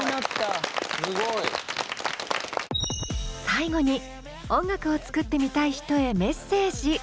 最後に音楽を作ってみたい人へメッセージ。